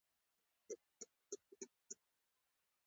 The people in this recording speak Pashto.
دلته هېڅ هزاره، ازبک، تاجک او پښتون له بل چا جلا نه شو.